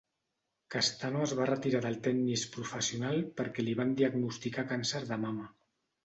Castano es va retirar del tennis professional perquè li van diagnosticar càncer de mama.